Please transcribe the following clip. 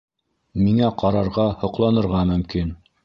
Миңә ҡарарға, һоҡланырға мөмкин.